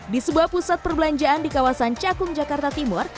di sebuah pusat perbelanjaan di kawasan cakung jakarta timur